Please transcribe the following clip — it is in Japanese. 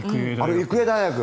育英大学。